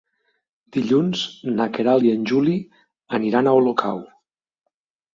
Dilluns na Queralt i en Juli aniran a Olocau.